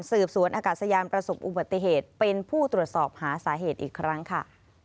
สวนอากาศยานประสบอุบัติเหตุเป็นผู้ตรวจสอบหาสาเหตุอีกครั้งค่ะ